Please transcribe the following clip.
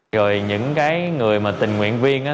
rồi những người tình nguyện viên